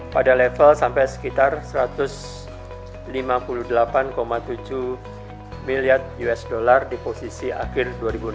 pada level sampai sekitar satu ratus lima puluh delapan tujuh miliar usd di posisi akhir dua ribu enam belas